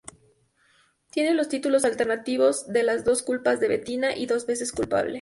Tiene los títulos alternativos de Las dos culpas de Bettina y Dos veces culpable.